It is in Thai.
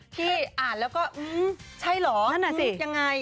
ที่อ่านแล้วก็อือมมใช่หรอนั่นะสิยังไงนะฮะ